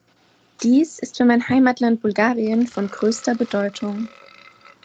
Dies ist für mein Heimatland Bulgarien von größter Bedeutung.